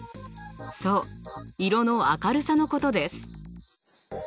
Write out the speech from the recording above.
そう色の明るさのことです。